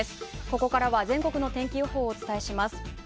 ここからは全国の天気予報をお伝えします。